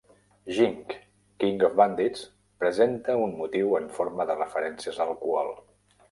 "Jing: King of Bandits" presenta un motiu en forma de referències a l'alcohol.